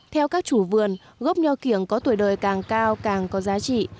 theo các chủ vườn gốc nho kiểng có tuổi đời càng cao càng có giá trị